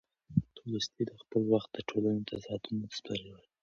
تولستوی د خپل وخت د ټولنې تضادونه سپړي.